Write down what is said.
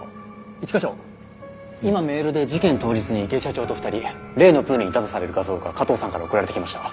一課長今メールで事件当日に池井社長と２人例のプールにいたとされる画像が加藤さんから送られてきました。